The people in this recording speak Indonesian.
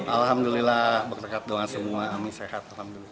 alhamdulillah berkekat dengan semua ami sehat